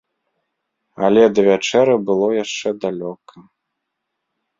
Але да вячэры было яшчэ далёка.